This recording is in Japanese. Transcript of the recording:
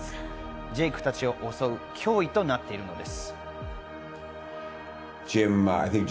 ジェイクたちを襲う脅威となっているのです。